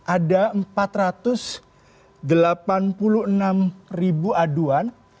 ada empat ratus delapan puluh enam ribu aduan